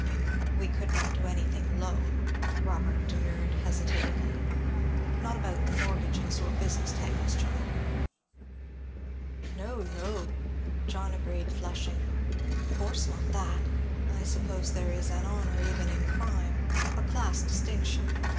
"We could not do anything low," Robert demurred hesitatingly. "Not about the mortgages or business tangles, John." "No, no," John agreed, flushing. "Of course not that. I suppose there is an honor even in crime, a class distinction.